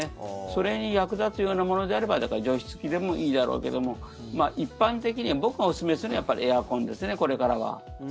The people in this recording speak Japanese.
それに役立つようなものであれば除湿器でもいいだろうけども一般的には僕がおすすめするのはエアコンですね、これからは。